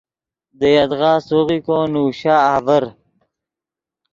دے یدغا سوغیکو نوشا آڤر